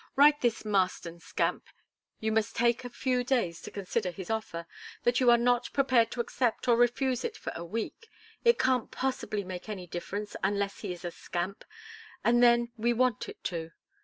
Write this Marston scamp you must take a few days to consider his offer, that you are not prepared to accept or refuse it for a week. It can't possibly make any difference, unless he is a scamp, and then we want it to.